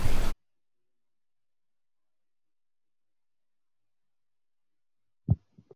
এই শরীরের মধ্যে তো আর বিশটি লোক নাই যে তাহারা ঐ কাজগুলি করিতেছে।